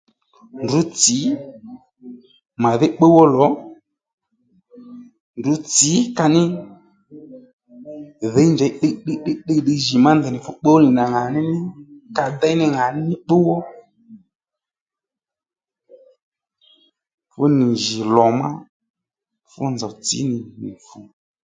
Ndrǔ tsǐ màdhí bbúw ó lò ndrǔ tsǐ ka ní dhǐy njèy ddiy ddiy ddiy ddiy djì má ndèy nì fú pbúw ó nì nà ŋà ní ní ka déy ní ŋà ní ní bbúw ó fú nì jì lò má fú nzòw tsǐ nì fu